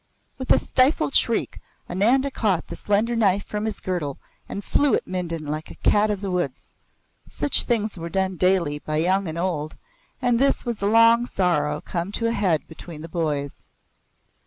With a stifled shriek Ananda caught the slender knife from his girdle and flew at Mindon like a cat of the woods. Such things were done daily by young and old, and this was a long sorrow come to a head between the boys.